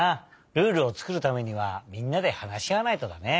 ルールをつくるためにはみんなではなしあわないとだね。